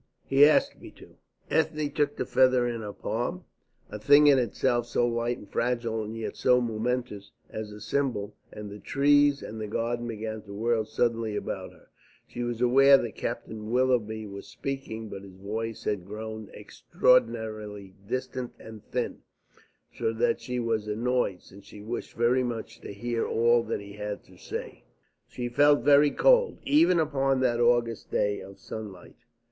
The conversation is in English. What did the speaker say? "He asked me to." Ethne took the feather in her palm, a thing in itself so light and fragile and yet so momentous as a symbol, and the trees and the garden began to whirl suddenly about her. She was aware that Captain Willoughby was speaking, but his voice had grown extraordinarily distant and thin; so that she was annoyed, since she wished very much to hear all that he had to say. She felt very cold, even upon that August day of sunlight.